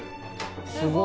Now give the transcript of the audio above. すごーい。